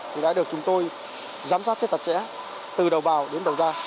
thì đã được chúng tôi giám sát rất chặt chẽ từ đầu vào đến đầu ra